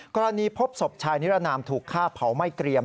พบศพชายนิรนามถูกฆ่าเผาไม่เกรียม